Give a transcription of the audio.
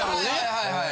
はいはい。